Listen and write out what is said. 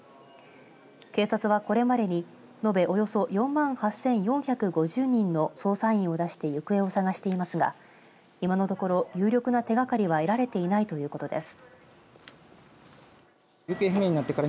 警察はこれまでに延べおよそ４万８４０５人の捜査員を出して行方を捜していますが今のところ有力な手がかりは得られていないということです。